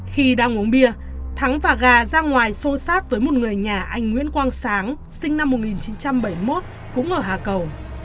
khi đang uống bia thắng và gà ra ngoài xô sát với một người nhà anh nguyễn quang sáng sinh năm một nghìn chín trăm bảy mươi một cũng ở hà cầu